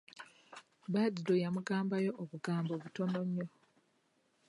Badru yamugambayo obugambo butono nnyo.